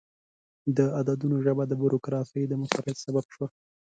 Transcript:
د عددونو ژبه د بروکراسي د موثریت سبب شوه.